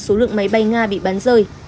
số lượng máy bay nga bị bán rơi